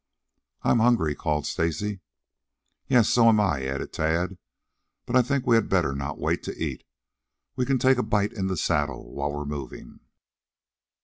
"I'm hungry," called Stacy. "Yes; so am I," added Tad. "But I think we had better not wait to eat. We can take a bite in the saddle while we are moving."